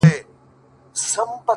• راغی پر نړۍ توپان ګوره چي لا څه کیږي,